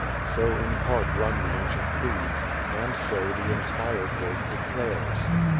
So in part run the ancient creeds, and so the inspired Word declares.